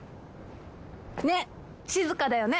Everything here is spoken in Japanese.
「ねっ静かだよね？」